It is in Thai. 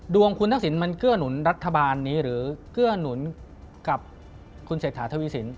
ดวงคุณทักษิณมันเกื้อหนุนรัฐบาลนี้หรือเกื้อหนุนกับคุณเศรษฐาทวีสิน